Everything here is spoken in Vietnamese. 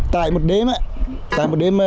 tại một địa điểm tàu cá của ông đã được đánh bắt